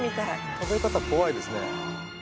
食べ方怖いですね。